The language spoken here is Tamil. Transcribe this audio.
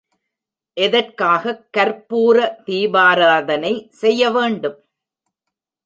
எதற்காகக் கர்ப்பூர தீபாராதனை செய்ய வேண்டும்?